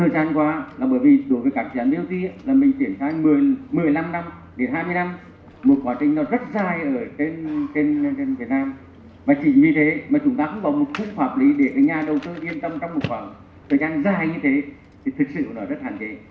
để nhà đầu tư yên tâm trong một khoảng thời gian dài như thế thì thực sự nó rất hạn chế